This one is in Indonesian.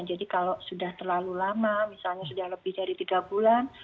jadi kalau sudah terlalu lama misalnya sudah lebih dari tiga bulan